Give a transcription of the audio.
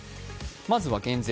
まずは減税。